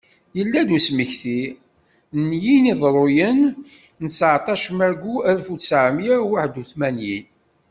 Yella-d usmekti n yineḍruyen n tesɛeṭac maggu alef utsɛemya uwaḥed utmanyin.